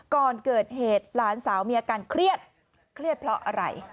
ก่อนเกิดเหตุหลานสาวมีอาการเครียดเครียดเพราะอะไร